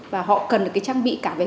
và họ cần được cái trang bị cả về